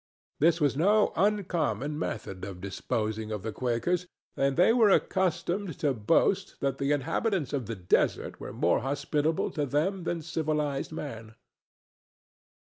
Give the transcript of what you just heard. This was no uncommon method of disposing of the Quakers, and they were accustomed to boast that the inhabitants of the desert were more hospitable to them than civilized man.